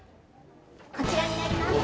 こちらになります。